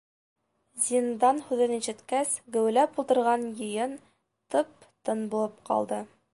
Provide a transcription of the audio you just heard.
«Зиндан» һүҙен ишеткәс, геүләп ултырған йыйын тып-тын булып ҡалды.